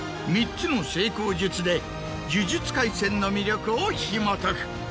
３つの成功術で『呪術廻戦』の魅力をひもとく。